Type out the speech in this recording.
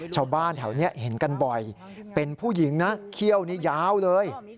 ชาวบ้านแถวนี้เห็นกันบ่อยเป็นผู้หญิงนะเขี้ยวนี่ยาวเลย